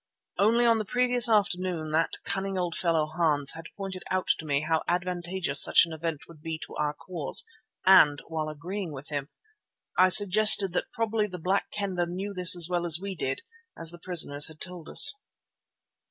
Only on the previous afternoon that cunning old fellow, Hans, had pointed out to me how advantageous such an event would be to our cause and, while agreeing with him, I suggested that probably the Black Kendah knew this as well as we did, as the prisoners had told us.